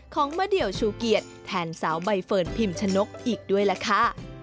ของมะเดี่ยวชูเกียรติแทนสาวใบเฟิร์นพิมชนกอีกด้วยล่ะค่ะ